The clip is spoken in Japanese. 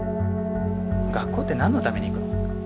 学校って何のために行くの？